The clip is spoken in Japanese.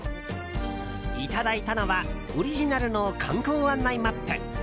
いただいたのはオリジナルの観光案内マップ。